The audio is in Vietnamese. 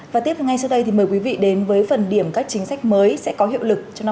và tiếp ngay sau đây thì mời quý vị đến với phần điểm các chính sách mới sẽ có hiệu lực trong năm hai nghìn hai